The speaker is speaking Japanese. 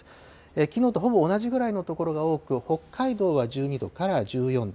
きのうとほぼ同じくらいの所が多く、北海道は１２度から１４度。